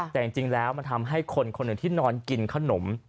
แต่จริงแล้วมันทำให้คนคนหนึ่งที่นอนกินขนม